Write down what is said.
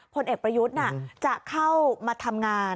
ผลเอกประยุทธ์จะเข้ามาทำงาน